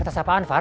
kertas apaan far